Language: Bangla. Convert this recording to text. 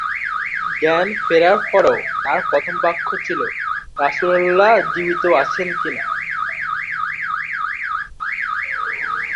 জ্ঞান ফেরার পরও তার প্রথম বাক্য ছিল, রাসূলুল্লাহ জীবিত আছেন কিনা।